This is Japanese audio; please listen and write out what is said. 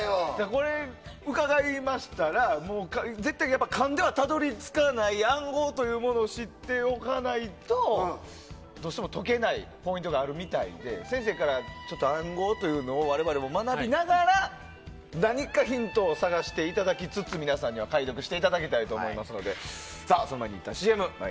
これ伺いましたら絶対勘ではたどり着けない暗号というものを知っておかないとどうしても解けないポイントがあるみたいで、先生から暗号を学びながら何かヒントを探していただきつつビールサーバーがある夏夢だなあ。